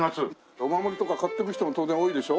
お守りとか買っていく人も当然多いでしょ？